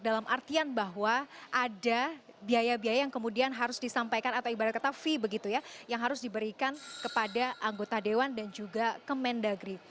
dalam artian bahwa ada biaya biaya yang kemudian harus disampaikan atau ibarat kata fee begitu ya yang harus diberikan kepada anggota dewan dan juga kemendagri